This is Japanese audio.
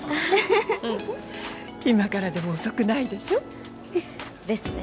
うん今からでも遅くないでしょですね